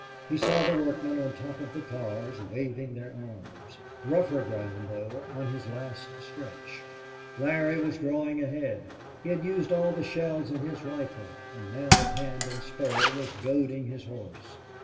He saw the workmen on top of the cars waving their arms. Rougher ground, though, on this last stretch. Larry was drawing ahead. He had used all the shells in his rifle and now with hand and spur was goading his horse.